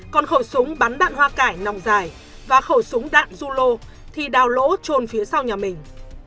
còn khẩu súng bắn đạn hoa cải nòng dài và khẩu súng đạn rulo thì đào lỗ trôn phía sau nhà mình